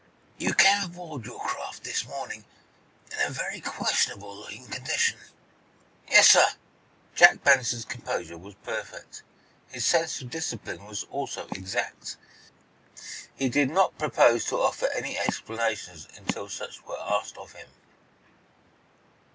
"You came aboard your craft, this morning, in a very questionable looking condition." "Yes, sir." Jack Benson's composure was perfect. His sense of discipline was also exact. He did not propose to offer any explanations until such were asked of him.